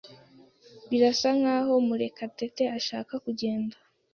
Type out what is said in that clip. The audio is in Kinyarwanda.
Birasa nkaho Murekatete ashaka kugenda.